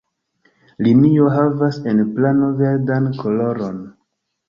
Linio havas en plano verdan koloron.